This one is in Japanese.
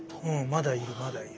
まだいるまだいる。